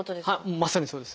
まさにそうです。